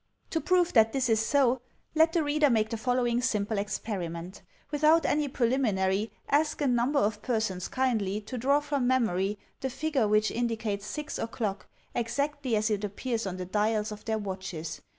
To prove that this is so, let the reader make the following simple experiment. Without any preliminary, ask a niunber of persons kindly to draw from memory the figure which indicates six o'clock, exactly as it appears on the dials of their watches.